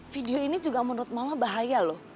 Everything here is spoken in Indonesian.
video ini juga menurut mama bahaya loh